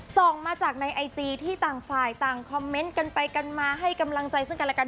ส่งมาจากในไอจีที่ต่างฝ่ายต่างคอมเมนต์กันไปกันมาให้กำลังใจซึ่งกันและกัน